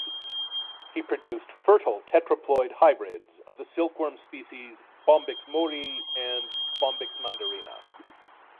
He produced fertile tetraploid hybrids of the silkworm species "Bombyx mori" and "Bombyx" "mandarina".